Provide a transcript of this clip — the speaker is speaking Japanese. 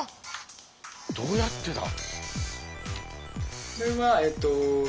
どうやってだ？